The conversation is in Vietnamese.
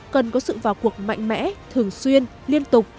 cần có sự vào cuộc mạnh mẽ thường xuyên liên tục